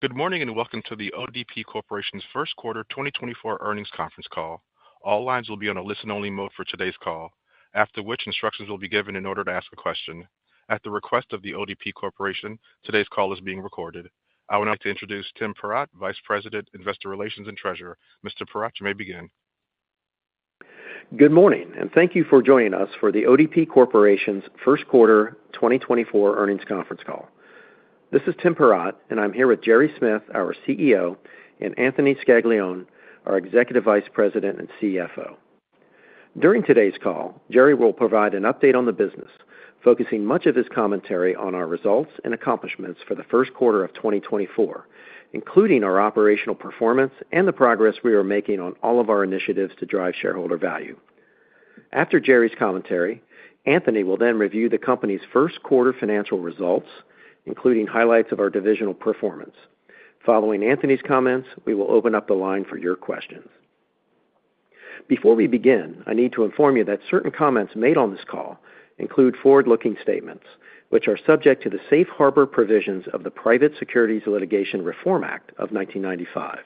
Good morning, and welcome to the ODP Corporation's first quarter 2024 earnings conference call. All lines will be on a listen-only mode for today's call, after which instructions will be given in order to ask a question. At the request of the ODP Corporation, today's call is being recorded. I would now like to introduce Tim Peratt, Vice President, Investor Relations and Treasurer. Mr. Peratt, you may begin. Good morning, and thank you for joining us for the ODP Corporation's first quarter 2024 earnings conference call. This is Tim Peratt, and I'm here with Gerry Smith, our CEO, and Anthony Scaglione, our Executive Vice President and CFO. During today's call, Gerry will provide an update on the business, focusing much of his commentary on our results and accomplishments for the first quarter of 2024, including our operational performance and the progress we are making on all of our initiatives to drive shareholder value. After Gerry's commentary, Anthony will then review the company's first quarter financial results, including highlights of our divisional performance. Following Anthony's comments, we will open up the line for your questions. Before we begin, I need to inform you that certain comments made on this call include forward-looking statements, which are subject to the safe harbor provisions of the Private Securities Litigation Reform Act of 1995.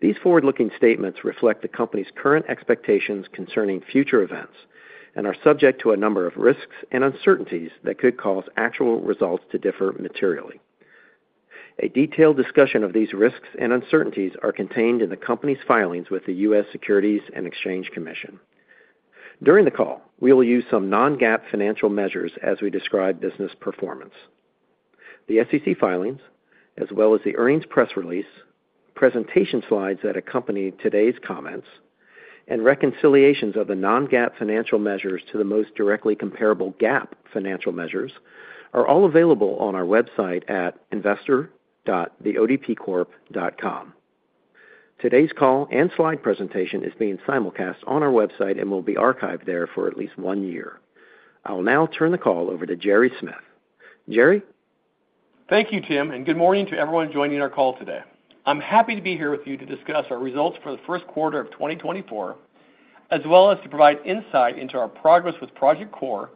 These forward-looking statements reflect the company's current expectations concerning future events and are subject to a number of risks and uncertainties that could cause actual results to differ materially. A detailed discussion of these risks and uncertainties are contained in the company's filings with the U.S. Securities and Exchange Commission. During the call, we will use some non-GAAP financial measures as we describe business performance. The SEC filings, as well as the earnings press release, presentation slides that accompany today's comments, and reconciliations of the non-GAAP financial measures to the most directly comparable GAAP financial measures, are all available on our website at investor.theodpcorp.com. Today's call and slide presentation is being simulcast on our website and will be archived there for at least one year. I will now turn the call over to Gerry Smith. Gerry? Thank you, Tim, and good morning to everyone joining our call today. I'm happy to be here with you to discuss our results for the first quarter of 2024, as well as to provide insight into our progress with Project Core,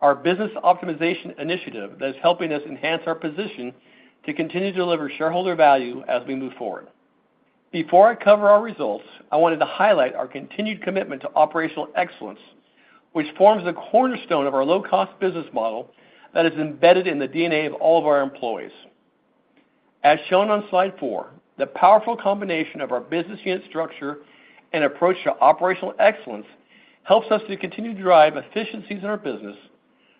our business optimization initiative that is helping us enhance our position to continue to deliver shareholder value as we move forward. Before I cover our results, I wanted to highlight our continued commitment to operational excellence, which forms the cornerstone of our low-cost business model that is embedded in the DNA of all of our employees. As shown on slide four, the powerful combination of our business unit structure and approach to operational excellence helps us to continue to drive efficiencies in our business,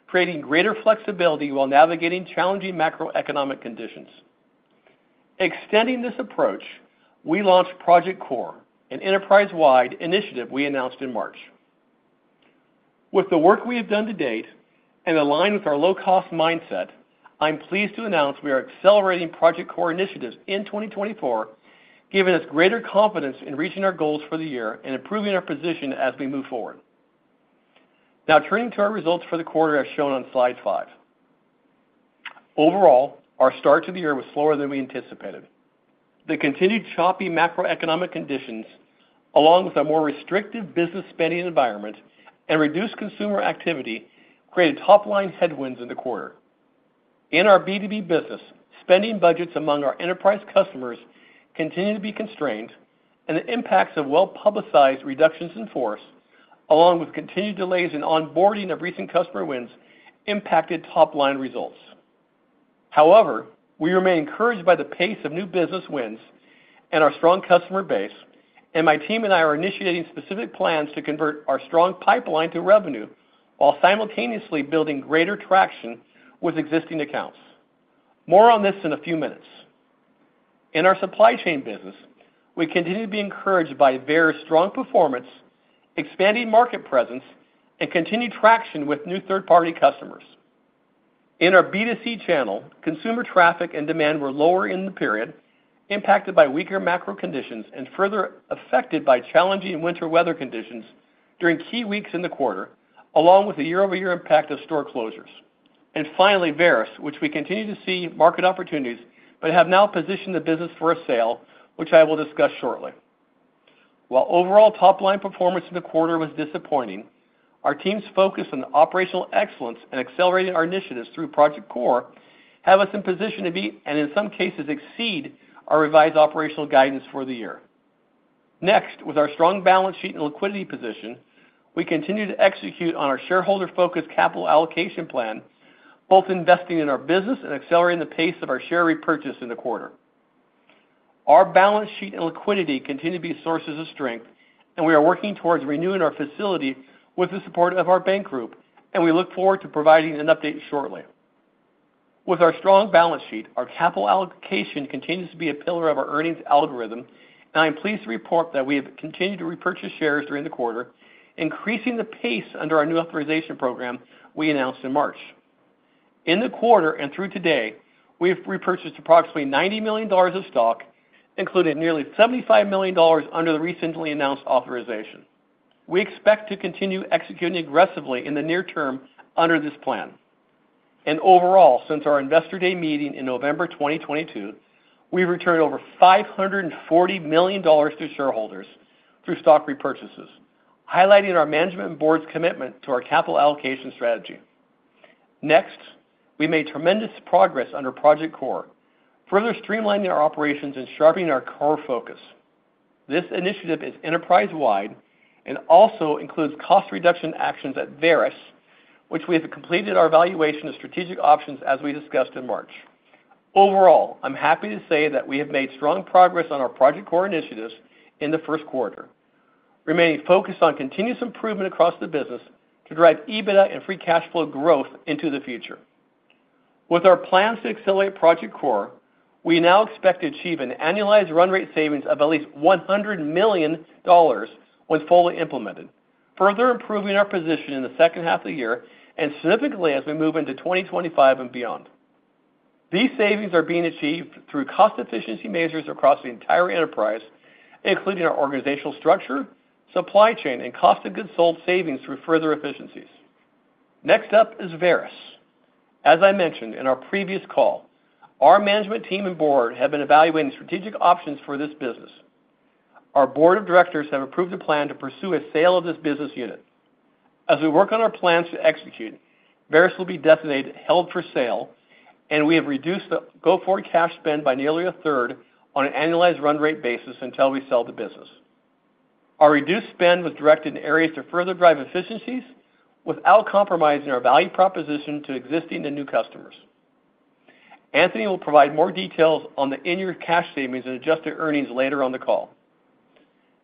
creating greater flexibility while navigating challenging macroeconomic conditions. Extending this approach, we launched Project Core, an enterprise-wide initiative we announced in March. With the work we have done to date and aligned with our low-cost mindset, I'm pleased to announce we are accelerating Project Core initiatives in 2024, giving us greater confidence in reaching our goals for the year and improving our position as we move forward. Now, turning to our results for the quarter, as shown on slide 5. Overall, our start to the year was slower than we anticipated. The continued choppy macroeconomic conditions, along with a more restrictive business spending environment and reduced consumer activity, created top-line headwinds in the quarter. In our B2B business, spending budgets among our enterprise customers continued to be constrained and the impacts of well-publicized reductions in force, along with continued delays in onboarding of recent customer wins, impacted top-line results. However, we remain encouraged by the pace of new business wins and our strong customer base, and my team and I are initiating specific plans to convert our strong pipeline to revenue while simultaneously building greater traction with existing accounts. More on this in a few minutes. In our supply chain business, we continue to be encouraged by Varis strong performance, expanding market presence, and continued traction with new third-party customers. In our B2C channel, consumer traffic and demand were lower in the period, impacted by weaker macro conditions and further affected by challenging winter weather conditions during key weeks in the quarter, along with the year-over-year impact of store closures. Finally, Varis, which we continue to see market opportunities but have now positioned the business for a sale, which I will discuss shortly. While overall top-line performance in the quarter was disappointing, our team's focus on operational excellence and accelerating our initiatives through Project Core have us in position to meet and, in some cases, exceed our revised operational guidance for the year. Next, with our strong balance sheet and liquidity position, we continue to execute on our shareholder-focused capital allocation plan, both investing in our business and accelerating the pace of our share repurchase in the quarter. Our balance sheet and liquidity continue to be sources of strength, and we are working towards renewing our facility with the support of our bank group, and we look forward to providing an update shortly. With our strong balance sheet, our capital allocation continues to be a pillar of our earnings algorithm, and I'm pleased to report that we have continued to repurchase shares during the quarter, increasing the pace under our new authorization program we announced in March. In the quarter and through today, we have repurchased approximately $90 million of stock, including nearly $75 million under the recently announced authorization. We expect to continue executing aggressively in the near term under this plan. Overall, since our Investor Day meeting in November 2022, we've returned over $540 million to shareholders through stock repurchases, highlighting our management board's commitment to our capital allocation strategy. Next, we made tremendous progress under Project Core, further streamlining our operations and sharpening our core focus. This initiative is enterprise-wide and also includes cost reduction actions at Varis, which we have completed our evaluation of strategic options, as we discussed in March. Overall, I'm happy to say that we have made strong progress on our Project Core initiatives in the first quarter, remaining focused on continuous improvement across the business to drive EBITDA and free cash flow growth into the future. With our plan to accelerate Project Core, we now expect to achieve an annualized run rate savings of at least $100 million when fully implemented, further improving our position in the second half of the year and significantly as we move into 2025 and beyond. These savings are being achieved through cost efficiency measures across the entire enterprise, including our organizational structure, supply chain, and cost of goods sold savings through further efficiencies. Next up is Varis. As I mentioned in our previous call, our management team and board have been evaluating strategic options for this business. Our board of directors have approved a plan to pursue a sale of this business unit. As we work on our plans to execute, Varis will be designated held for sale, and we have reduced the go-forward cash spend by nearly a third on an annualized run rate basis until we sell the business. Our reduced spend was directed in areas to further drive efficiencies without compromising our value proposition to existing and new customers. Anthony will provide more details on the in-year cash savings and adjusted earnings later on the call.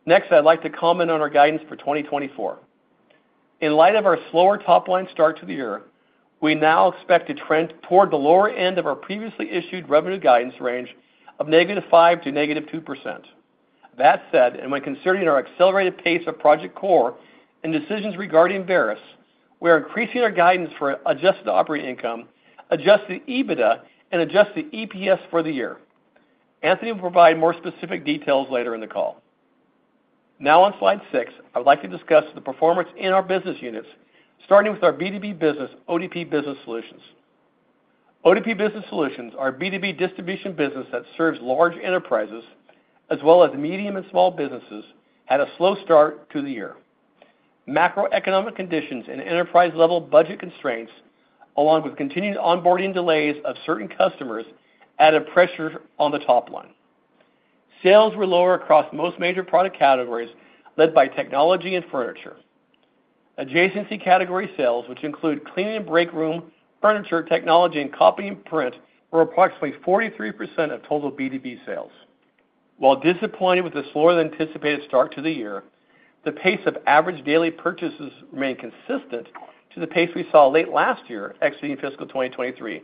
Next, I'd like to comment on our guidance for 2024. In light of our slower top-line start to the year, we now expect to trend toward the lower end of our previously issued revenue guidance range of -5% to -2%. That said, and when considering our accelerated pace of Project Core and decisions regarding Varis, we are increasing our guidance for Adjusted Operating Income, Adjusted EBITDA, and Adjusted EPS for the year. Anthony will provide more specific details later in the call. Now on slide six, I would like to discuss the performance in our business units, starting with our B2B business, ODP Business Solutions. ODP Business Solutions, our B2B distribution business that serves large enterprises as well as medium and small businesses, had a slow start to the year. Macroeconomic conditions and enterprise-level budget constraints, along with continued onboarding delays of certain customers, added pressure on the top line. Sales were lower across most major product categories, led by technology and furniture. Adjacency category sales, which include cleaning and break room, furniture, technology, and copy and print, were approximately 43% of total B2B sales. While disappointed with the slower-than-anticipated start to the year, the pace of average daily purchases remained consistent to the pace we saw late last year, exiting fiscal 2023,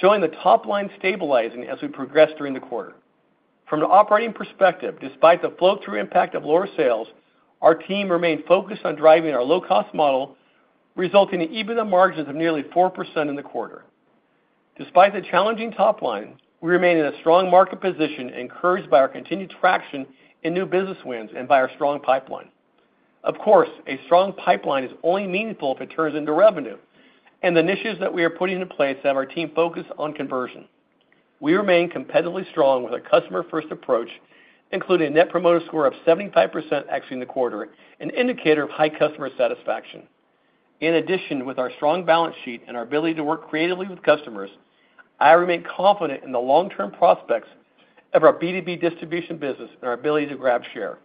showing the top line stabilizing as we progressed during the quarter. From an operating perspective, despite the flow-through impact of lower sales, our team remained focused on driving our low-cost model, resulting in EBITDA margins of nearly 4% in the quarter. Despite the challenging top line, we remain in a strong market position, encouraged by our continued traction in new business wins and by our strong pipeline. Of course, a strong pipeline is only meaningful if it turns into revenue, and the initiatives that we are putting in place have our team focused on conversion. We remain competitively strong with a customer-first approach, including a net promoter score of 75% exiting the quarter, an indicator of high customer satisfaction. In addition, with our strong balance sheet and our ability to work creatively with customers, I remain confident in the long-term prospects of our B2B distribution business and our ability to grab share.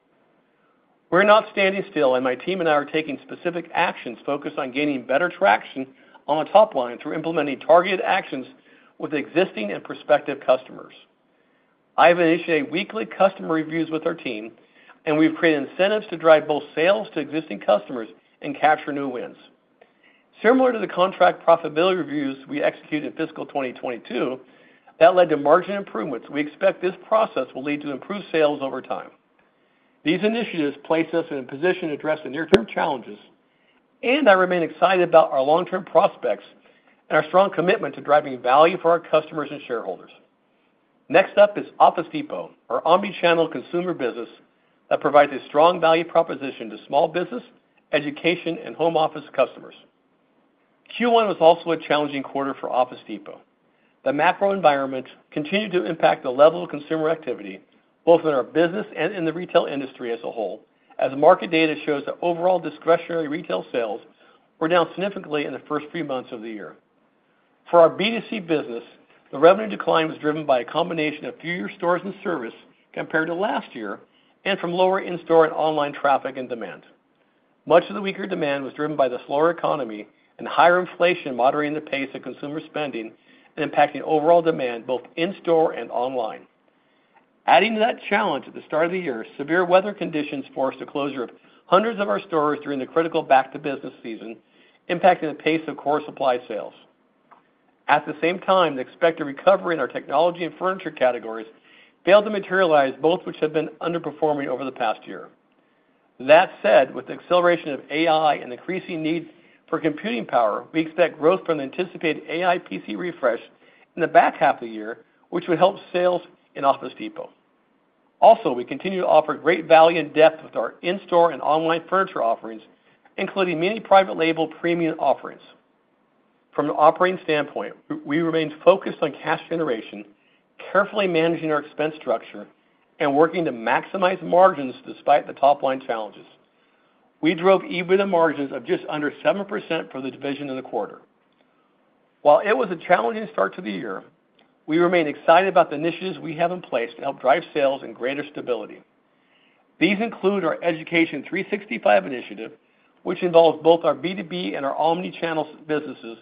We're not standing still, and my team and I are taking specific actions focused on gaining better traction on the top line through implementing targeted actions with existing and prospective customers. I have initiated weekly customer reviews with our team, and we've created incentives to drive both sales to existing customers and capture new wins. Similar to the contract profitability reviews we executed in fiscal 2022, that led to margin improvements, we expect this process will lead to improved sales over time. These initiatives place us in a position to address the near-term challenges, and I remain excited about our long-term prospects and our strong commitment to driving value for our customers and shareholders. Next up is Office Depot, our omni-channel consumer business that provides a strong value proposition to small business, education, and home office customers. Q1 was also a challenging quarter for Office Depot. The macro environment continued to impact the level of consumer activity, both in our business and in the retail industry as a whole, as market data shows that overall discretionary retail sales were down significantly in the first three months of the year. For our B2C business, the revenue decline was driven by a combination of fewer stores and service compared to last year and from lower in-store and online traffic and demand. Much of the weaker demand was driven by the slower economy and higher inflation, moderating the pace of consumer spending and impacting overall demand, both in-store and online. Adding to that challenge, at the start of the year, severe weather conditions forced the closure of hundreds of our stores during the critical back-to-business season, impacting the pace of core supply sales. At the same time, the expected recovery in our technology and furniture categories failed to materialize, both which have been underperforming over the past year. That said, with the acceleration of AI and increasing need for computing power, we expect growth from the anticipated AI PC refresh in the back half of the year, which would help sales in Office Depot. Also, we continue to offer great value and depth with our in-store and online furniture offerings, including many private label premium offerings. From an operating standpoint, we remained focused on cash generation, carefully managing our expense structure and working to maximize margins despite the top-line challenges. We drove EBITDA margins of just under 7% for the division in the quarter. While it was a challenging start to the year, we remain excited about the initiatives we have in place to help drive sales and greater stability. These include our Education 365 initiative, which involves both our B2B and our omnichannel businesses,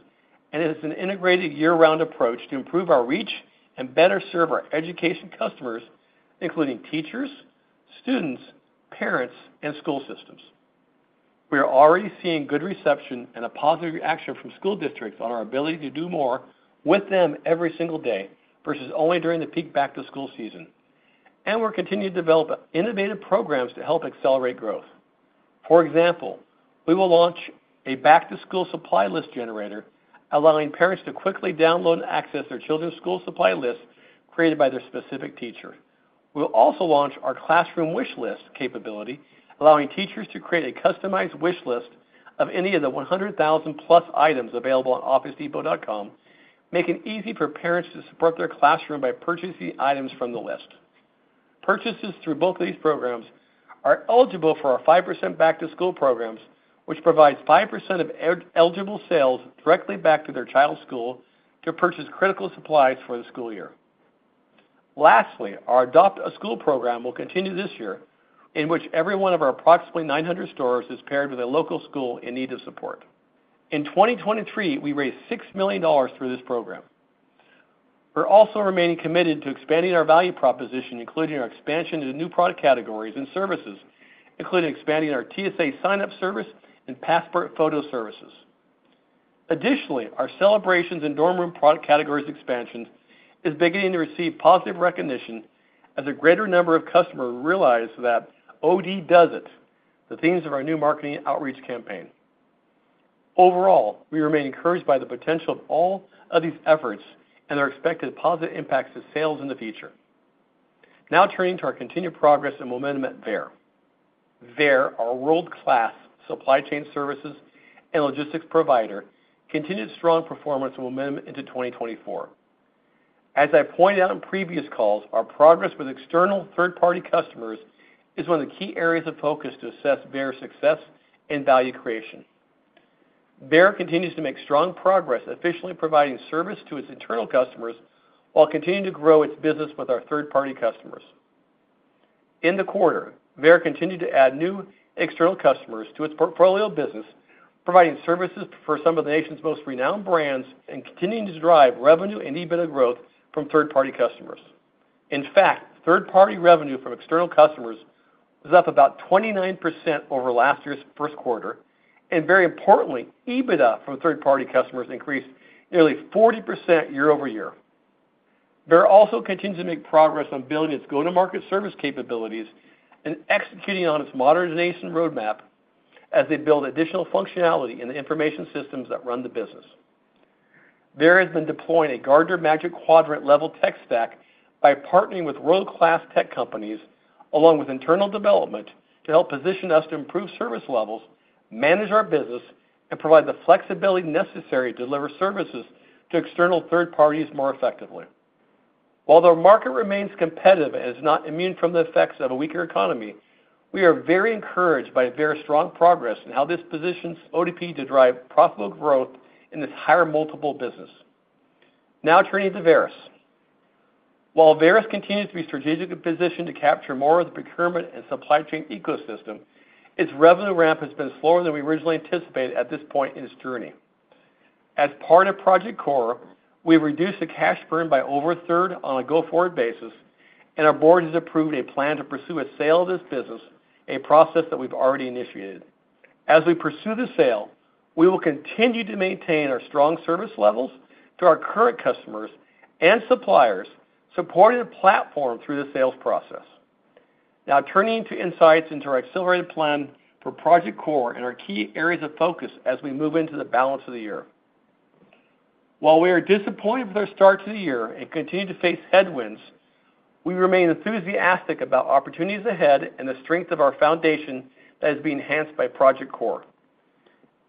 and it is an integrated year-round approach to improve our reach and better serve our education customers, including teachers, students, parents, and school systems. We are already seeing good reception and a positive reaction from school districts on our ability to do more with them every single day, versus only during the peak back-to-school season. And we're continuing to develop innovative programs to help accelerate growth. For example, we will launch a back-to-school School Supply List Generator, allowing parents to quickly download and access their children's school supply list created by their specific teacher. We'll also launch our Classroom Wish List capability, allowing teachers to create a customized wish list of any of the 100,000+ items available on officedepot.com, making it easy for parents to support their classroom by purchasing items from the list. Purchases through both of these programs are eligible for our 5% back-to-school programs, which provides 5% of eligible sales directly back to their child's school to purchase critical supplies for the school year. Lastly, our Adopt a School program will continue this year, in which every one of our approximately 900 stores is paired with a local school in need of support. In 2023, we raised $6 million through this program. We're also remaining committed to expanding our value proposition, including our expansion into new product categories and services, including expanding our TSA signup service and passport photo services. Additionally, our celebrations and dorm room product categories expansion is beginning to receive positive recognition as a greater number of customers realize that OD Does It, the theme of our new marketing outreach campaign. Overall, we remain encouraged by the potential of all of these efforts and their expected positive impacts to sales in the future. Now turning to our continued progress and momentum at Veyer. Veyer, our world-class supply chain services and logistics provider, continued strong performance and momentum into 2024. As I pointed out on previous calls, our progress with external third-party customers is one of the key areas of focus to assess Veyer success and value creation. Veyer continues to make strong progress, efficiently providing service to its internal customers while continuing to grow its business with our third-party customers. In the quarter, Veyer continued to add new external customers to its portfolio of business, providing services for some of the nation's most renowned brands and continuing to drive revenue and EBITDA growth from third-party customers. In fact, third-party revenue from external customers was up about 29% over last year's first quarter, and very importantly, EBITDA from third-party customers increased nearly 40% year-over-year. Veyer also continued to make progress on building its go-to-market service capabilities and executing on its modernization roadmap as they build additional functionality in the information systems that run the business. Veyer has been deploying a Gartner Magic Quadrant level tech stack by partnering with world-class tech companies, along with internal development, to help position us to improve service levels, manage our business, and provide the flexibility necessary to deliver services to external third parties more effectively. While their market remains competitive and is not immune from the effects of a weaker economy, we are very encouraged by Veyer's strong progress and how this positions ODP to drive profitable growth in this higher multiple business. Now turning to Varis. While Varis continues to be strategically positioned to capture more of the procurement and supply chain ecosystem, its revenue ramp has been slower than we originally anticipated at this point in its journey. As part of Project Core, we've reduced the cash burn by over a third on a go-forward basis, and our board has approved a plan to pursue a sale of this business, a process that we've already initiated. As we pursue the sale, we will continue to maintain our strong service levels to our current customers and suppliers, supporting the platform through the sales process. Now turning to insights into our accelerated plan for Project Core and our key areas of focus as we move into the balance of the year. While we are disappointed with our start to the year and continue to face headwinds, we remain enthusiastic about opportunities ahead and the strength of our foundation that is being enhanced by Project Core.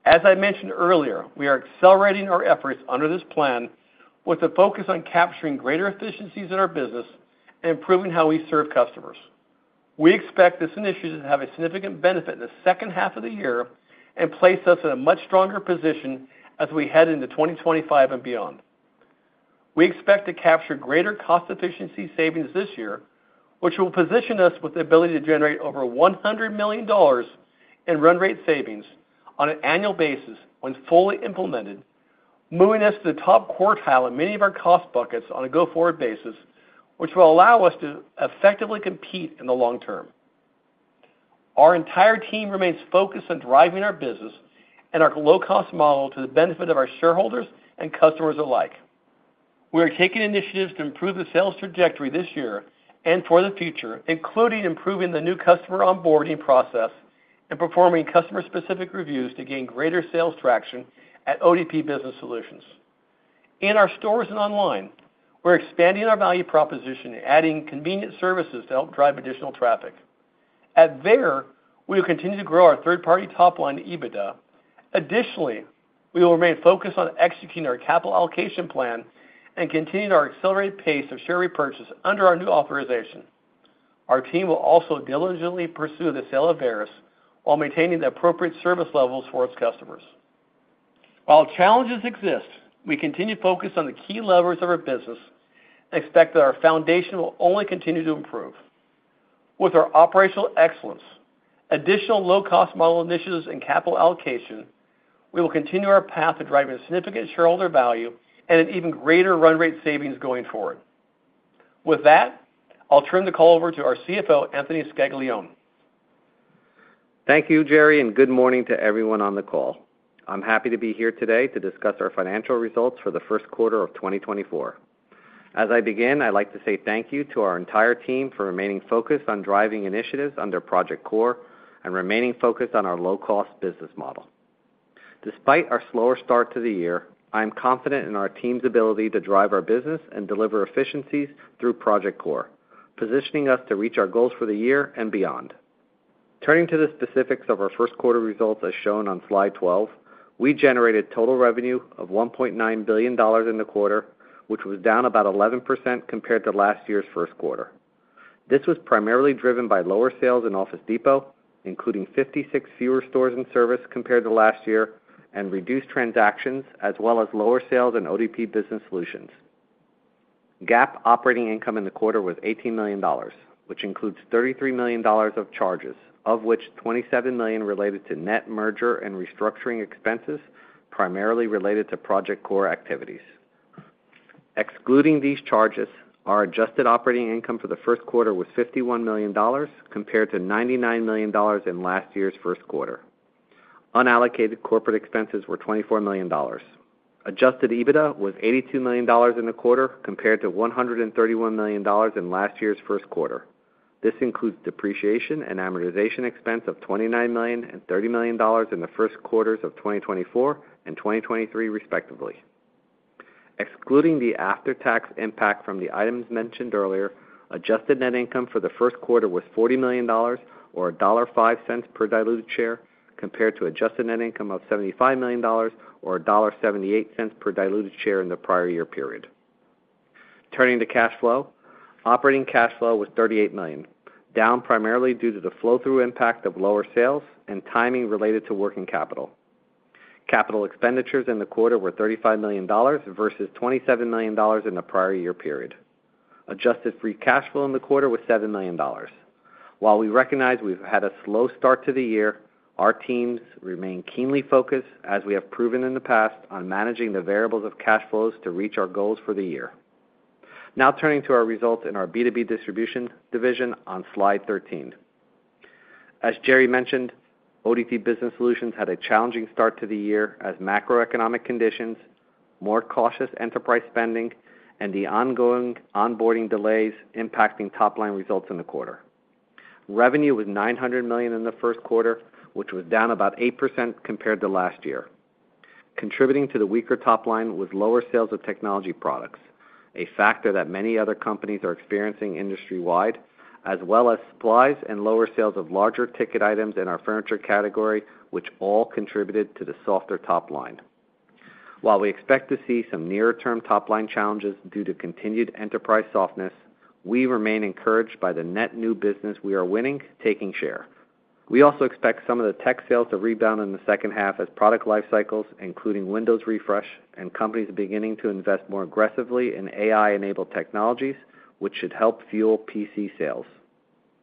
As I mentioned earlier, we are accelerating our efforts under this plan with a focus on capturing greater efficiencies in our business and improving how we serve customers. We expect this initiative to have a significant benefit in the second half of the year and place us in a much stronger position as we head into 2025 and beyond. We expect to capture greater cost efficiency savings this year, which will position us with the ability to generate over $100 million in run rate savings on an annual basis when fully implemented, moving us to the top quartile in many of our cost buckets on a go-forward basis, which will allow us to effectively compete in the long term. Our entire team remains focused on driving our business and our low-cost model to the benefit of our shareholders and customers alike. We are taking initiatives to improve the sales trajectory this year and for the future, including improving the new customer onboarding process and performing customer-specific reviews to gain greater sales traction at ODP Business Solutions. In our stores and online, we're expanding our value proposition and adding convenient services to help drive additional traffic. At Veyer, we will continue to grow our third-party top-line EBITDA. Additionally, we will remain focused on executing our capital allocation plan and continuing our accelerated pace of share repurchase under our new authorization. Our team will also diligently pursue the sale of Varis, while maintaining the appropriate service levels for its customers. While challenges exist, we continue to focus on the key levers of our business and expect that our foundation will only continue to improve. With our operational excellence, additional low-cost model initiatives, and capital allocation, we will continue our path to driving significant shareholder value and an even greater run rate savings going forward. With that, I'll turn the call over to our CFO, Anthony Scaglione. Thank you, Gerry, and good morning to everyone on the call. I'm happy to be here today to discuss our financial results for the first quarter of 2024. As I begin, I'd like to say thank you to our entire team for remaining focused on driving initiatives under Project Core and remaining focused on our low-cost business model. Despite our slower start to the year, I am confident in our team's ability to drive our business and deliver efficiencies through Project Core, positioning us to reach our goals for the year and beyond. Turning to the specifics of our first quarter results, as shown on slide 12, we generated total revenue of $1.9 billion in the quarter, which was down about 11% compared to last year's first quarter. This was primarily driven by lower sales in Office Depot, including 56 fewer stores and service compared to last year, and reduced transactions, as well as lower sales in ODP Business Solutions. GAAP operating income in the quarter was $18 million, which includes $33 million of charges, of which $27 million related to net merger and restructuring expenses, primarily related to Project Core activities. Excluding these charges, our adjusted operating income for the first quarter was $51 million, compared to $99 million in last year's first quarter. Unallocated corporate expenses were $24 million. Adjusted EBITDA was $82 million in the quarter, compared to $131 million in last year's first quarter. This includes depreciation and amortization expense of $29 million and $30 million in the first quarters of 2024 and 2023, respectively. Excluding the after-tax impact from the items mentioned earlier, adjusted net income for the first quarter was $40 million or $1.05 per diluted share, compared to adjusted net income of $75 million or $1.78 per diluted share in the prior year period. Turning to cash flow. Operating cash flow was $38 million, down primarily due to the flow-through impact of lower sales and timing related to working capital. Capital expenditures in the quarter were $35 million versus $27 million in the prior year period. Adjusted free cash flow in the quarter was $7 million. While we recognize we've had a slow start to the year, our teams remain keenly focused, as we have proven in the past, on managing the variables of cash flows to reach our goals for the year. Now, turning to our results in our B2B Distribution division on slide 13. As Gerry mentioned, ODP Business Solutions had a challenging start to the year as macroeconomic conditions, more cautious enterprise spending, and the ongoing onboarding delays impacting top-line results in the quarter. Revenue was $900 million in the first quarter, which was down about 8% compared to last year. Contributing to the weaker top line was lower sales of technology products, a factor that many other companies are experiencing industry-wide, as well as supplies and lower sales of larger ticket items in our furniture category, which all contributed to the softer top line. While we expect to see some nearer-term top-line challenges due to continued enterprise softness, we remain encouraged by the net new business we are winning, taking share. We also expect some of the tech sales to rebound in the second half as product life cycles, including Windows Refresh, and companies are beginning to invest more aggressively in AI-enabled technologies, which should help fuel PC sales.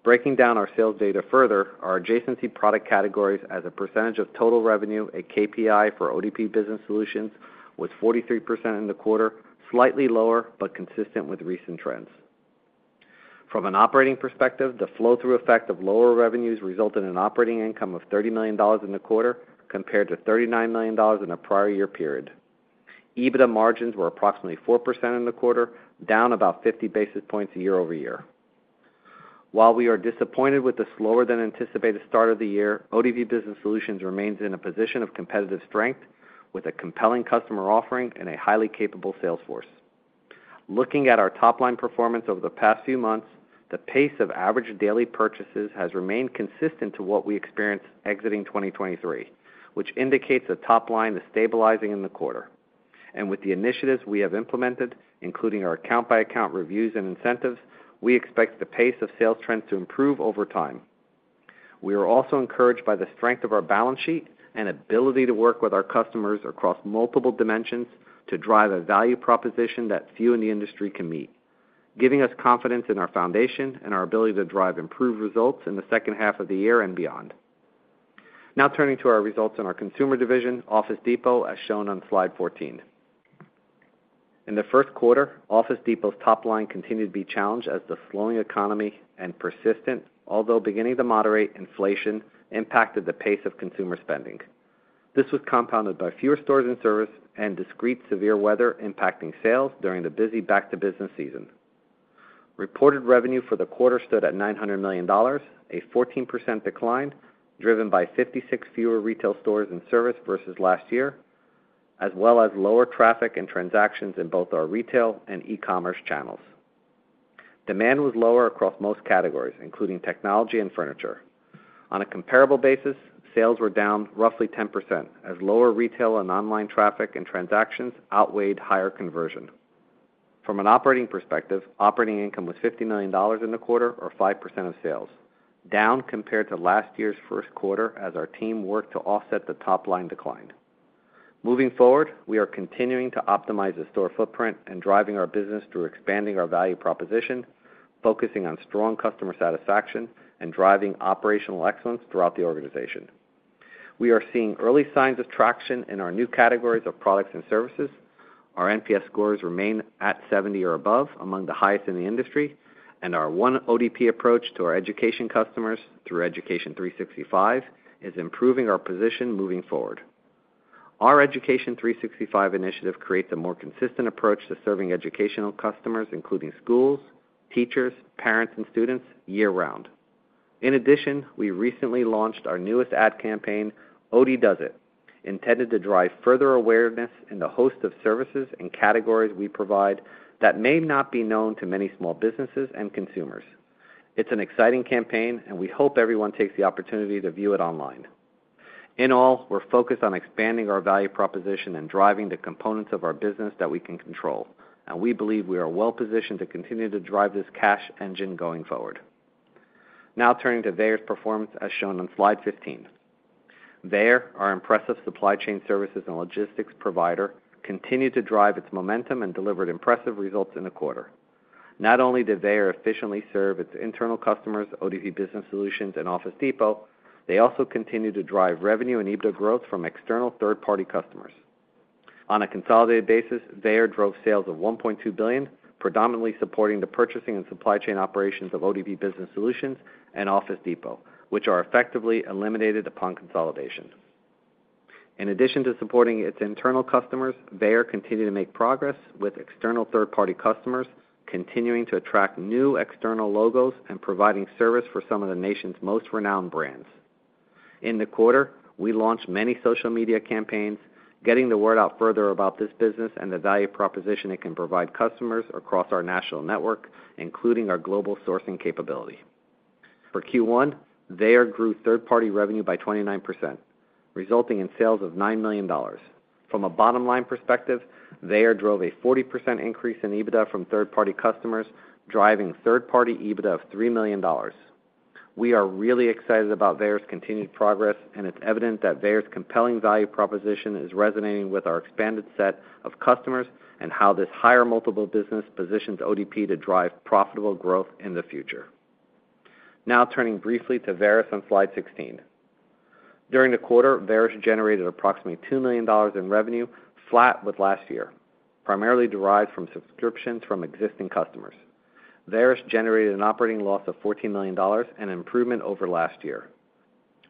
Breaking down our sales data further, our adjacency product categories as a percentage of total revenue, a KPI for ODP Business Solutions, was 43% in the quarter, slightly lower but consistent with recent trends. From an operating perspective, the flow-through effect of lower revenues resulted in operating income of $30 million in the quarter, compared to $39 million in the prior year period. EBITDA margins were approximately 4% in the quarter, down about 50 basis points year-over-year. While we are disappointed with the slower-than-anticipated start of the year, ODP Business Solutions remains in a position of competitive strength with a compelling customer offering and a highly capable sales force. Looking at our top-line performance over the past few months, the pace of average daily purchases has remained consistent to what we experienced exiting 2023, which indicates the top line is stabilizing in the quarter. With the initiatives we have implemented, including our account-by-account reviews and incentives, we expect the pace of sales trends to improve over time. We are also encouraged by the strength of our balance sheet and ability to work with our customers across multiple dimensions to drive a value proposition that few in the industry can meet, giving us confidence in our foundation and our ability to drive improved results in the second half of the year and beyond. Now, turning to our results in our consumer division, Office Depot, as shown on slide 14. In the first quarter, Office Depot's top line continued to be challenged as the slowing economy and persistent, although beginning to moderate, inflation impacted the pace of consumer spending. This was compounded by fewer stores in service and discrete severe weather impacting sales during the busy back-to-business season. Reported revenue for the quarter stood at $900 million, a 14% decline, driven by 56 fewer retail stores in service versus last year, as well as lower traffic and transactions in both our retail and e-commerce channels.... Demand was lower across most categories, including technology and furniture. On a comparable basis, sales were down roughly 10% as lower retail and online traffic and transactions outweighed higher conversion. From an operating perspective, operating income was $50 million in the quarter, or 5% of sales, down compared to last year's first quarter as our team worked to offset the top line decline. Moving forward, we are continuing to optimize the store footprint and driving our business through expanding our value proposition, focusing on strong customer satisfaction and driving operational excellence throughout the organization. We are seeing early signs of traction in our new categories of products and services. Our NPS scores remain at 70 or above, among the highest in the industry, and our one ODP approach to our education customers through Education 365, is improving our position moving forward. Our Education 365 initiative creates a more consistent approach to serving educational customers, including schools, teachers, parents, and students year-round. In addition, we recently launched our newest ad campaign, OD Does It, intended to drive further awareness in the host of services and categories we provide that may not be known to many small businesses and consumers. It's an exciting campaign, and we hope everyone takes the opportunity to view it online. In all, we're focused on expanding our value proposition and driving the components of our business that we can control, and we believe we are well-positioned to continue to drive this cash engine going forward. Now turning to Veyer's performance, as shown on Slide 15. Veyer, our impressive supply chain services and logistics provider, continued to drive its momentum and delivered impressive results in the quarter. Not only did Veyer efficiently serve its internal customers, ODP Business Solutions and Office Depot, they also continued to drive revenue and EBITDA growth from external third-party customers. On a consolidated basis, Veyer drove sales of $1.2 billion, predominantly supporting the purchasing and supply chain operations of ODP Business Solutions and Office Depot, which are effectively eliminated upon consolidation. In addition to supporting its internal customers, Veyer continued to make progress with external third-party customers, continuing to attract new external logos and providing service for some of the nation's most renowned brands. In the quarter, we launched many social media campaigns, getting the word out further about this business and the value proposition it can provide customers across our national network, including our global sourcing capability. For Q1, Veyer grew third-party revenue by 29%, resulting in sales of $9 million. From a bottom-line perspective, Veyer drove a 40% increase in EBITDA from third-party customers, driving third-party EBITDA of $3 million. We are really excited about Veyer's continued progress, and it's evident that Veyer's compelling value proposition is resonating with our expanded set of customers and how this higher multiple business positions ODP to drive profitable growth in the future. Now turning briefly to Varis on Slide 16. During the quarter, Varis generated approximately $2 million in revenue, flat with last year, primarily derived from subscriptions from existing customers. Varis generated an operating loss of $14 million, an improvement over last year.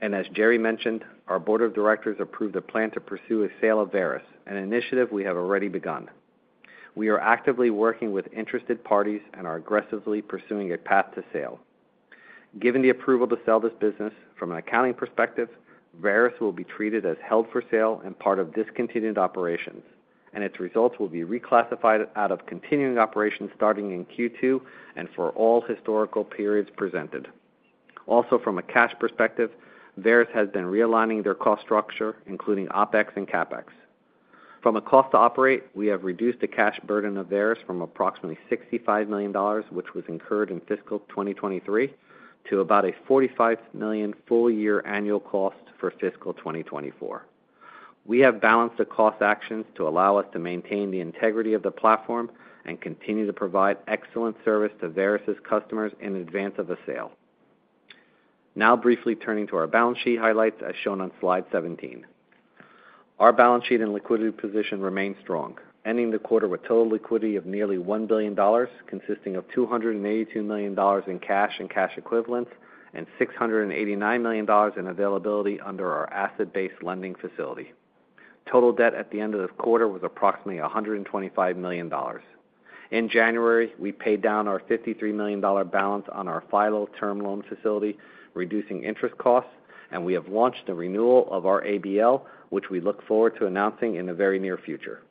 And as Gerry mentioned, our board of directors approved a plan to pursue a sale of Varis, an initiative we have already begun. We are actively working with interested parties and are aggressively pursuing a path to sale. Given the approval to sell this business, from an accounting perspective, Varis will be treated as held for sale and part of discontinued operations, and its results will be reclassified out of continuing operations starting in Q2 and for all historical periods presented. Also, from a cash perspective, Varis has been realigning their cost structure, including OpEx and CapEx. From a cost to operate, we have reduced the cash burden of Varis from approximately $65 million, which was incurred in fiscal 2023, to about a $45 million full-year annual cost for fiscal 2024. We have balanced the cost actions to allow us to maintain the integrity of the platform and continue to provide excellent service to Varis' customers in advance of the sale. Now briefly turning to our balance sheet highlights, as shown on Slide 17. Our balance sheet and liquidity position remain strong, ending the quarter with total liquidity of nearly $1 billion, consisting of $282 million in cash and cash equivalents, and $689 million in availability under our Asset-Based Lending facility. Total debt at the end of the quarter was approximately $125 million. In January, we paid down our $53 million balance on our FILO term loan facility, reducing interest costs, and we have launched a renewal of our ABL, which we look forward to announcing in the very near future.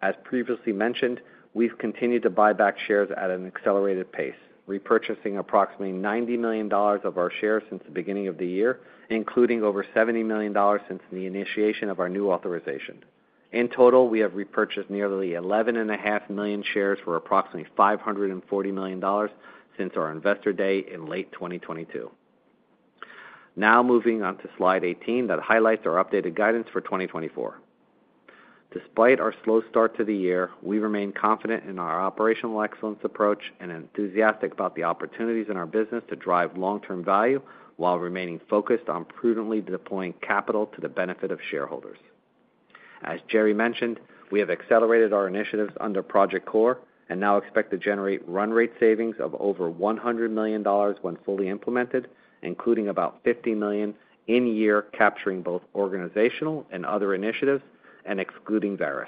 As previously mentioned, we've continued to buy back shares at an accelerated pace, repurchasing approximately $90 million of our shares since the beginning of the year, including over $70 million since the initiation of our new authorization. In total, we have repurchased nearly 11.5 million shares for approximately $540 million since our Investor Day in late 2022. Now moving on to Slide 18, that highlights our updated guidance for 2024. Despite our slow start to the year, we remain confident in our operational excellence approach and enthusiastic about the opportunities in our business to drive long-term value while remaining focused on prudently deploying capital to the benefit of shareholders. As Gerry mentioned, we have accelerated our initiatives under Project Core and now expect to generate run rate savings of over $100 million when fully implemented, including about $50 million in year, capturing both organizational and other initiatives and excluding Varis.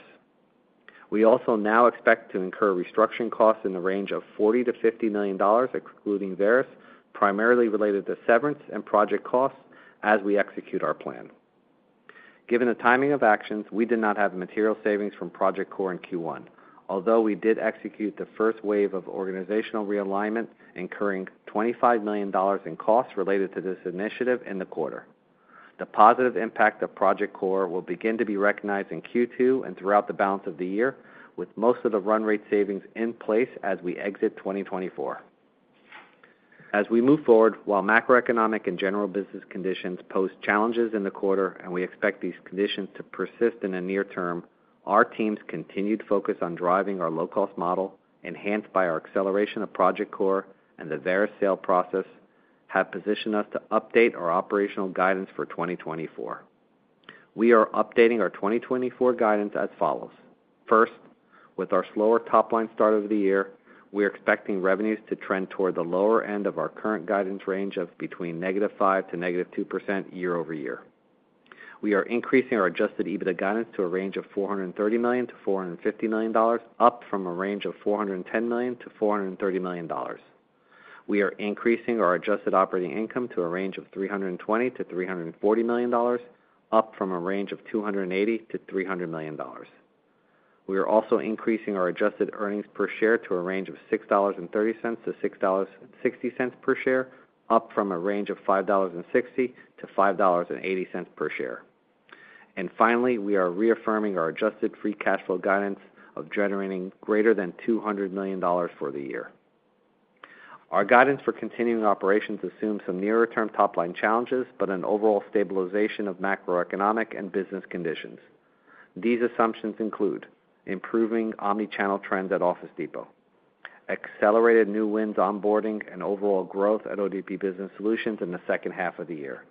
We also now expect to incur restructuring costs in the range of $40 million-$50 million, excluding Varis, primarily related to severance and project costs as we execute our plan. Given the timing of actions, we did not have material savings from Project Core in Q1, although we did execute the first wave of organizational realignment, incurring $25 million in costs related to this initiative in the quarter. The positive impact of Project Core will begin to be recognized in Q2 and throughout the balance of the year, with most of the run rate savings in place as we exit 2024. As we move forward, while macroeconomic and general business conditions posed challenges in the quarter, and we expect these conditions to persist in the near term, our team's continued focus on driving our low-cost model, enhanced by our acceleration of Project Core and the Varis sale process, have positioned us to update our operational guidance for 2024. We are updating our 2024 guidance as follows: First, with our slower top-line start of the year, we are expecting revenues to trend toward the lower end of our current guidance range of between -5% to -2% year-over-year. We are increasing our Adjusted EBITDA guidance to a range of $430 million-$450 million, up from a range of $410 million-$430 million. We are increasing our Adjusted Operating Income to a range of $320 million-$340 million, up from a range of $280 million-$300 million. We are also increasing our Adjusted EPS to a range of $6.30-$6.60 per share, up from a range of $5.60-$5.80 per share. And finally, we are reaffirming our Adjusted Free Cash Flow guidance of generating greater than $200 million for the year. Our guidance for continuing operations assumes some nearer-term top-line challenges, but an overall stabilization of macroeconomic and business conditions. These assumptions include: improving omni-channel trends at Office Depot, accelerated new wins, onboarding, and overall growth at ODP Business Solutions in the second half of the year,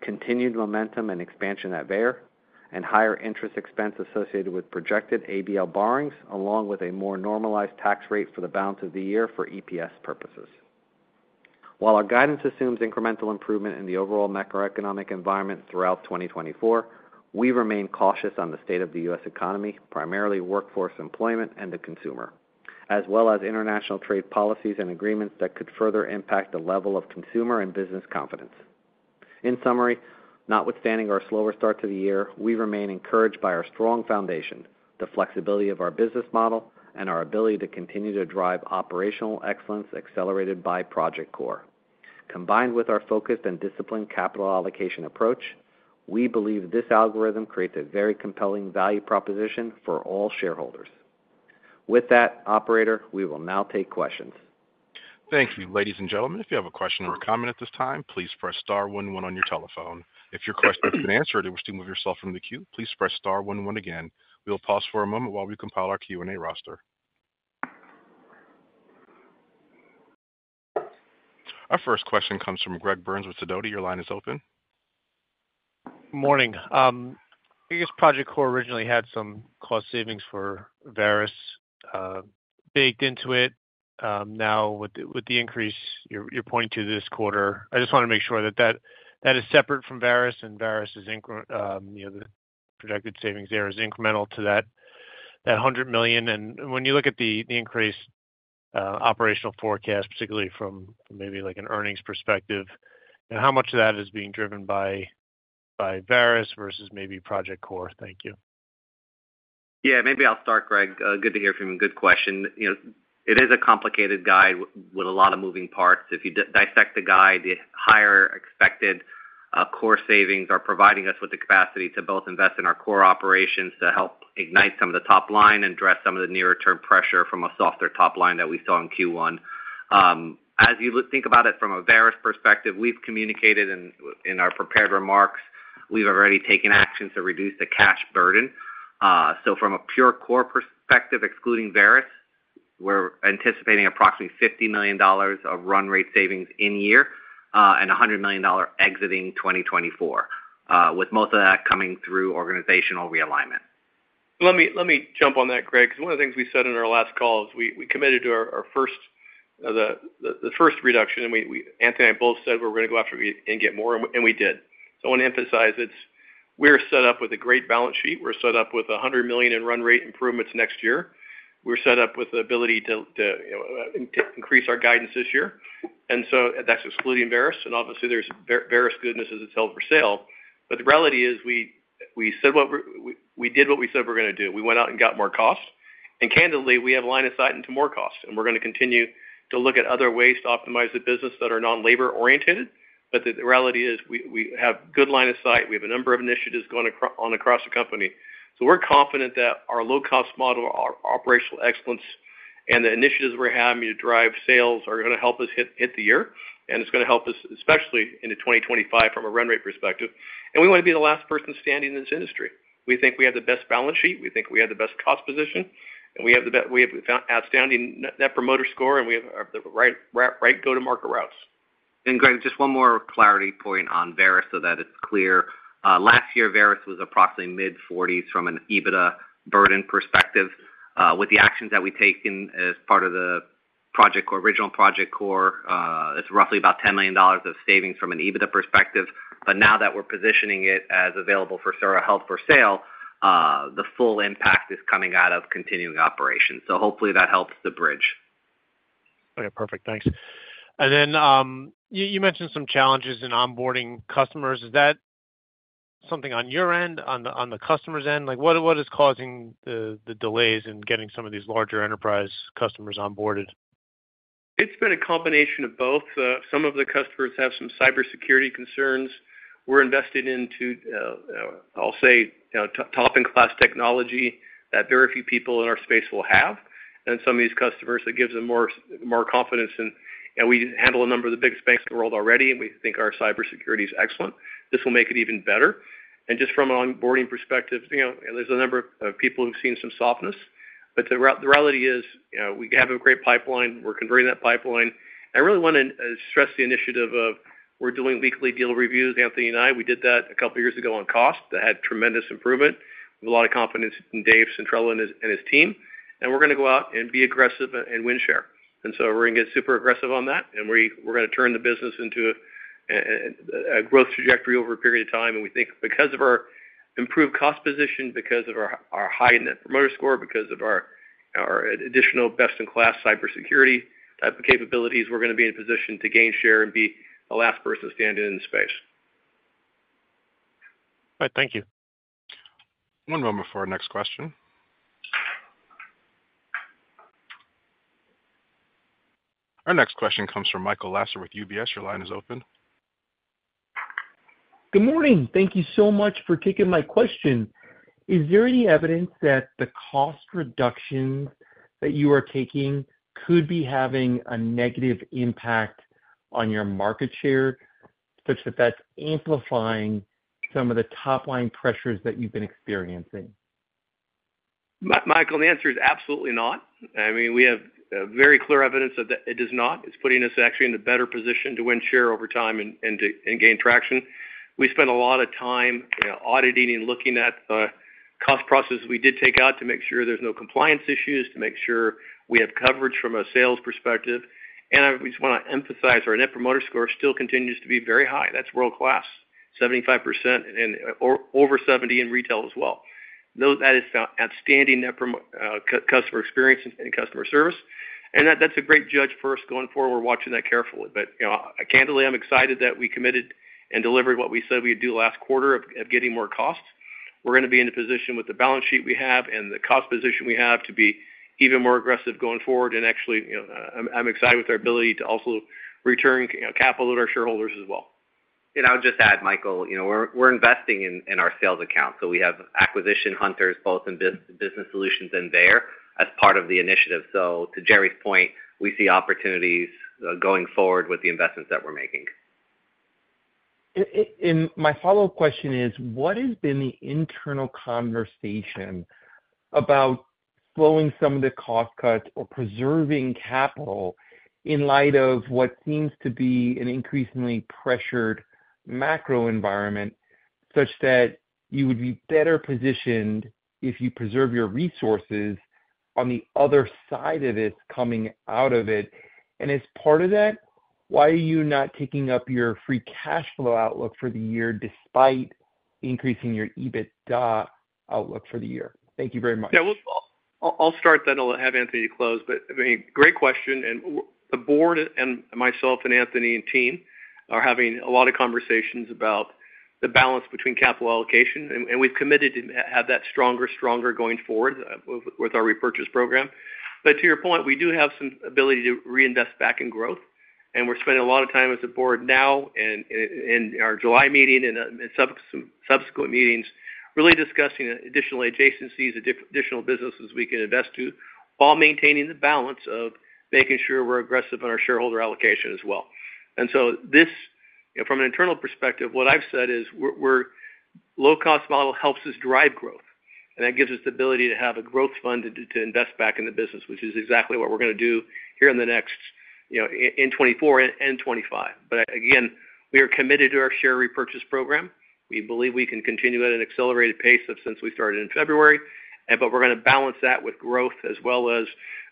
continued momentum and expansion at Varis, and higher interest expense associated with projected ABL borrowings, along with a more normalized tax rate for the balance of the year for EPS purposes. While our guidance assumes incremental improvement in the overall macroeconomic environment throughout 2024, we remain cautious on the state of the U.S. economy, primarily workforce employment and the consumer, as well as international trade policies and agreements that could further impact the level of consumer and business confidence. In summary, notwithstanding our slower start to the year, we remain encouraged by our strong foundation, the flexibility of our business model, and our ability to continue to drive operational excellence accelerated by Project Core. Combined with our focused and disciplined capital allocation approach, we believe this algorithm creates a very compelling value proposition for all shareholders. With that, operator, we will now take questions. Thank you. Ladies and gentlemen, if you have a question or a comment at this time, please press star one one on your telephone. If your question has been answered and wish to move yourself from the queue, please press star one one again. We will pause for a moment while we compile our Q&A roster. Our first question comes from Greg Burns with Sidoti. Your line is open. Morning. I guess Project Core originally had some cost savings for Varis baked into it. Now, with the, with the increase, you're, you're pointing to this quarter, I just wanna make sure that that, that is separate from Varis, and Varis is, you know, the projected savings there is incremental to that $100 million. And when you look at the, the increased operational forecast, particularly from maybe like an earnings perspective, and how much of that is being driven by, by Varis versus maybe Project Core? Thank you. Yeah, maybe I'll start, Greg. Good to hear from you. Good question. You know, it is a complicated guide with a lot of moving parts. If you dissect the guide, the higher expected core savings are providing us with the capacity to both invest in our core operations to help ignite some of the top line and address some of the nearer-term pressure from a softer top line that we saw in Q1. As you think about it from a Varis perspective, we've communicated in our prepared remarks, we've already taken actions to reduce the cash burden. So from a pure core perspective, excluding Varis, we're anticipating approximately $50 million of run rate savings in year, and $100 million exiting 2024, with most of that coming through organizational realignment. Let me, let me jump on that, Greg, because one of the things we said in our last call is we committed to our first, the first reduction, and we, Anthony and both said we're gonna go after it and get more, and we did. So I want to emphasize, it's we're set up with a great balance sheet. We're set up with $100 million in run rate improvements next year. We're set up with the ability to, you know, increase our guidance this year, and so that's excluding Varis. And obviously, there's Varis goodness as it's held for sale. But the reality is, we said what we-- we did what we said we're gonna do. We went out and got more costs, and candidly, we have line of sight into more costs, and we're gonna continue to look at other ways to optimize the business that are non-labor oriented. But the reality is, we have good line of sight. We have a number of initiatives going on across the company. So we're confident that our low-cost model, our operational excellence, and the initiatives we're having to drive sales are gonna help us hit the year, and it's gonna help us, especially into 2025 from a run rate perspective. And we wanna be the last person standing in this industry. We think we have the best balance sheet, we think we have the best cost position, and we have outstanding Net Promoter Score, and we have the right go-to-market routes. And Greg, just one more clarity point on Varis so that it's clear. Last year, Varis was approximately mid-forties from an EBITDA burden perspective. With the actions that we've taken as part of the Project Core, original Project Core, it's roughly about $10 million of savings from an EBITDA perspective. But now that we're positioning it as available for sale or held for sale, the full impact is coming out of continuing operations. So hopefully, that helps to bridge.... Okay, perfect. Thanks. And then, you mentioned some challenges in onboarding customers. Is that something on your end, on the customer's end? Like, what is causing the delays in getting some of these larger enterprise customers onboarded? It's been a combination of both. Some of the customers have some cybersecurity concerns. We're invested into, I'll say, you know, top-in-class technology that very few people in our space will have. And some of these customers, it gives them more confidence in... And we handle a number of the biggest banks in the world already, and we think our cybersecurity is excellent. This will make it even better. And just from an onboarding perspective, you know, there's a number of people who've seen some softness. But the reality is, you know, we have a great pipeline. We're converting that pipeline. I really want to stress the initiative of we're doing weekly deal reviews, Anthony and I. We did that a couple of years ago on cost, that had tremendous improvement, with a lot of confidence in Dave Centrella and his team. We're going to go out and be aggressive and win share. So we're going to get super aggressive on that, and we're going to turn the business into a growth trajectory over a period of time. We think because of our improved cost position, because of our high Net Promoter Score, because of our additional best-in-class cybersecurity type of capabilities, we're going to be in a position to gain share and be the last person standing in the space. All right, thank you. One moment for our next question. Our next question comes from Michael Lasser with UBS. Your line is open. Good morning. Thank you so much for taking my question. Is there any evidence that the cost reductions that you are taking could be having a negative impact on your market share, such that that's amplifying some of the top line pressures that you've been experiencing? Michael, the answer is absolutely not. I mean, we have very clear evidence that it does not. It's putting us actually in a better position to win share over time and to gain traction. We spent a lot of time, you know, auditing and looking at the cost processes we did take out to make sure there's no compliance issues, to make sure we have coverage from a sales perspective. And I just want to emphasize, our Net Promoter Score still continues to be very high. That's world-class, 75% and over 70% in retail as well. That is outstanding Net Promoter Score, customer experience and customer service, and that's a great judge for us going forward. We're watching that carefully. But, you know, candidly, I'm excited that we committed and delivered what we said we'd do last quarter of getting more costs. We're going to be in a position with the balance sheet we have and the cost position we have to be even more aggressive going forward. And actually, you know, I'm excited with our ability to also return, you know, capital to our shareholders as well. I'll just add, Michael, you know, we're investing in our sales accounts, so we have acquisition hunters, both in business solutions and there as part of the initiative. So to Gerry's point, we see opportunities going forward with the investments that we're making. And my follow-up question is, what has been the internal conversation about slowing some of the cost cuts or preserving capital in light of what seems to be an increasingly pressured macro environment, such that you would be better positioned if you preserve your resources on the other side of this coming out of it? And as part of that, why are you not taking up your free cash flow outlook for the year, despite increasing your EBITDA outlook for the year? Thank you very much. Yeah, well, I'll start, then I'll have Anthony close. But, I mean, great question, and the board and myself and Anthony and team are having a lot of conversations about the balance between capital allocation, and, and we've committed to have that stronger, stronger going forward with our repurchase program. But to your point, we do have some ability to reinvest back in growth, and we're spending a lot of time as a board now and in our July meeting and subsequent meetings, really discussing additional adjacencies and additional businesses we can invest to, while maintaining the balance of making sure we're aggressive in our shareholder allocation as well. And so this. You know, from an internal perspective, what I've said is we're low-cost model helps us drive growth, and that gives us the ability to have a growth fund to, to invest back in the business, which is exactly what we're going to do here in the next, you know, in 2024 and 2025. But again, we are committed to our share repurchase program. We believe we can continue at an accelerated pace since we started in February, but we're going to balance that with growth as well as,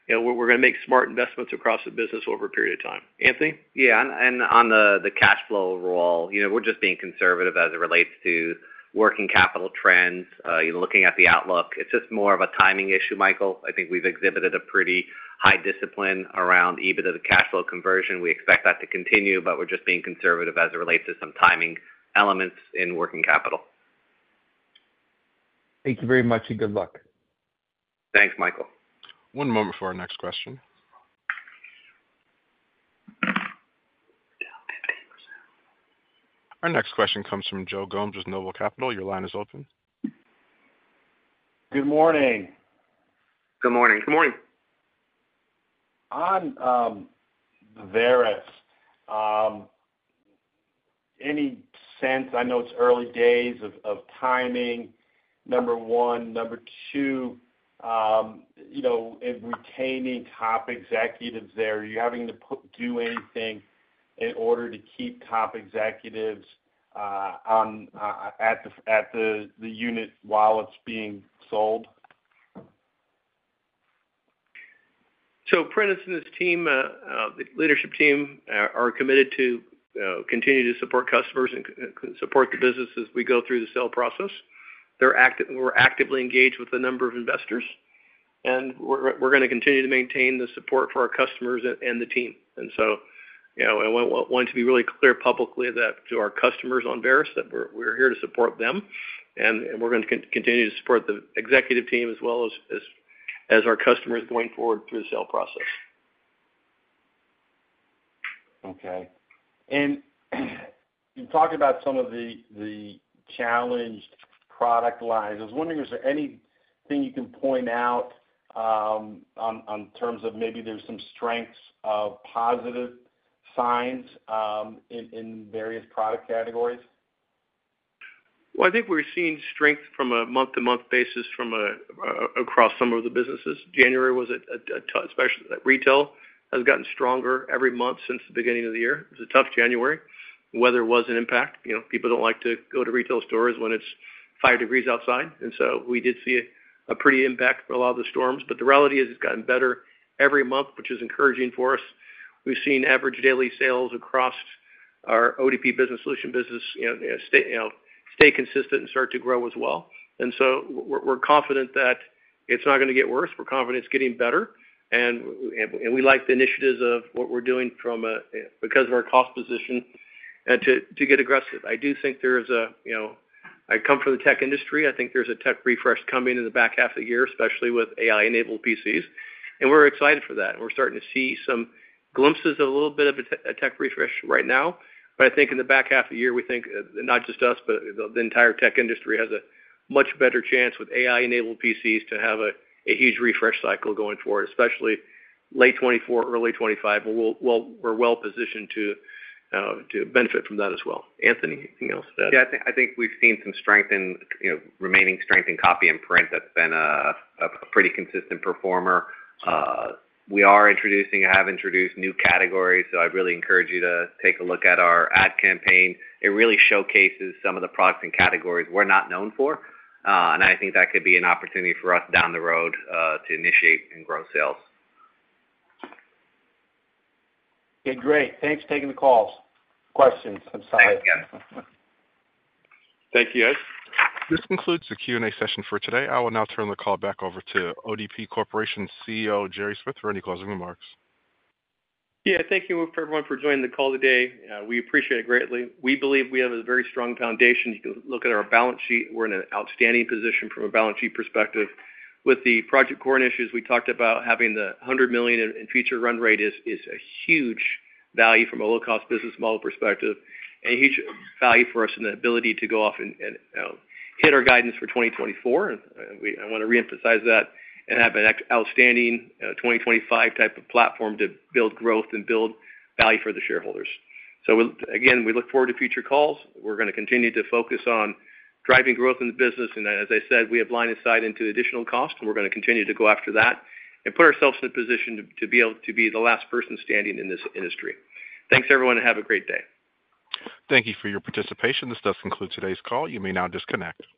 you know, we're going to make smart investments across the business over a period of time. Anthony? Yeah, on the cash flow overall, you know, we're just being conservative as it relates to working capital trends, you know, looking at the outlook. It's just more of a timing issue, Michael. I think we've exhibited a pretty high discipline around EBITDA, the cash flow conversion. We expect that to continue, but we're just being conservative as it relates to some timing elements in working capital. Thank you very much, and good luck. Thanks, Michael. One moment for our next question. Our next question comes from Joe Gomes with Noble Capital Markets. Your line is open. Good morning. Good morning. Good morning. On Varis, any sense, I know it's early days, of timing, number one? Number two, you know, in retaining top executives there, are you having to do anything in order to keep top executives at the unit while it's being sold? So Prentiss and his team, the leadership team, are committed to continuing to support customers and support the business as we go through the sale process. We're actively engaged with a number of investors, and we're gonna continue to maintain the support for our customers and the team. And so, you know, I want to be really clear publicly that to our customers on Varis, that we're here to support them, and we're gonna continue to support the executive team as well as our customers going forward through the sale process. Okay. And you talked about some of the challenged product lines. I was wondering, is there anything you can point out on terms of maybe there's some strengths of positive signs in various product categories? Well, I think we're seeing strength from a month-to-month basis across some of the businesses. January was a tough, especially retail, has gotten stronger every month since the beginning of the year. It was a tough January. Weather was an impact. You know, people don't like to go to retail stores when it's five degrees outside, and so we did see a pretty impact for a lot of the storms. But the reality is, it's gotten better every month, which is encouraging for us. We've seen average daily sales across our ODP Business Solutions business, you know, stay consistent and start to grow as well. And so we're confident that it's not gonna get worse. We're confident it's getting better, and we like the initiatives of what we're doing because of our cost position, and to get aggressive. I do think there's a, you know. I come from the tech industry. I think there's a tech refresh coming in the back half of the year, especially with AI-enabled PCs, and we're excited for that. We're starting to see some glimpses of a little bit of a tech refresh right now. But I think in the back half of the year, we think, not just us, but the entire tech industry has a much better chance with AI-enabled PCs to have a huge refresh cycle going forward, especially late 2024, early 2025. But we're well positioned to benefit from that as well. Anthony, anything else to add? Yeah, I think, I think we've seen some strength in, you know, remaining strength in copy and print. That's been a pretty consistent performer. We are introducing, have introduced new categories, so I'd really encourage you to take a look at our ad campaign. It really showcases some of the products and categories we're not known for, and I think that could be an opportunity for us down the road to initiate and grow sales. Okay, great. Thanks for taking the calls. Questions? I'm sorry. Thanks again. Thank you, guys. This concludes the Q&A session for today. I will now turn the call back over to ODP Corporation's CEO, Gerry Smith, for any closing remarks. Yeah, thank you everyone for joining the call today. We appreciate it greatly. We believe we have a very strong foundation. You can look at our balance sheet. We're in an outstanding position from a balance sheet perspective. With the Project Core issues, we talked about having the $100 million in future run rate is a huge value from a low-cost business model perspective, and a huge value for us in the ability to go off and, you know, hit our guidance for 2024. And I wanna reemphasize that, and have an outstanding 2025 type of platform to build growth and build value for the shareholders. So we'll again, we look forward to future calls. We're gonna continue to focus on driving growth in the business, and as I said, we have line of sight into additional cost, and we're gonna continue to go after that and put ourselves in a position to be able to be the last person standing in this industry. Thanks, everyone, and have a great day. Thank you for your participation. This does conclude today's call. You may now disconnect.